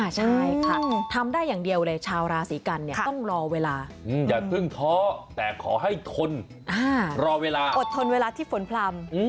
ใช่ค่ะทำได้อย่างเดียวเลยชาวราศีกันเนี่ยต้องรอเวลาอย่าเพิ่งท้อแต่ขอให้ทนรอเวลาอดทนเวลาที่ฝนพลำ